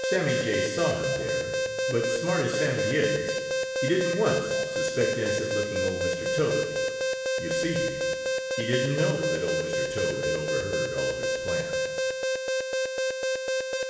Sammy Jay saw him there but, smart as Sammy is, he didn't once suspect innocent looking old Mr. Toad. You see, he didn't know that old Mr. Toad had overheard all of his plans.